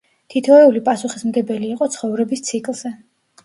თითოეული პასუხისმგებელი იყო ცხოვრების ციკლზე.